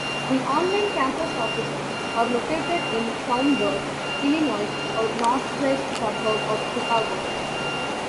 The online campus offices are located in Schaumburg, Illinois, a northwest suburb of Chicago.